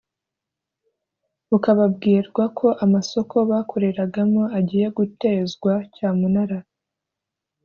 bukababwirwa ko amasoko bakoreragamo agiye gutezwa cyamunara